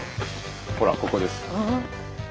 ほらここです。